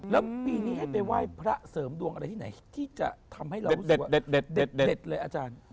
แล้วปีนี้ให้ไปไหว้พระเสริมดวงอะไรที่ไหนที่จะทำให้เรารู้สึกว่าเด็ดเลยอาจารย์